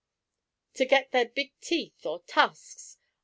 "To get their big teeth, or tusks.